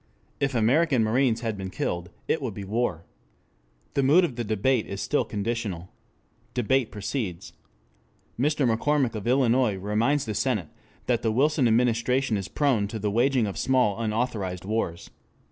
If American marines had been killed, it would be war. The mood of the debate is still conditional. Debate proceeds. Mr. McCormick of Illinois reminds the Senate that the Wilson administration is prone to the waging of small unauthorized wars.